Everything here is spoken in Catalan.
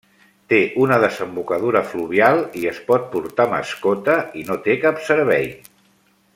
Té una desembocadura fluvial i es pot portar mascota i no té cap servei.